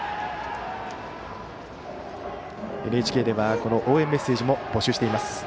ＮＨＫでは応援メッセージも募集しています。